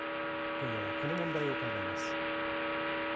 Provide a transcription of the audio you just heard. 今夜は、この問題を考えます。